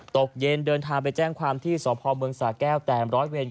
ตกเย็นเดินทางไปแจ้งความที่สพเมืองสาแก้วแต่ร้อยเวร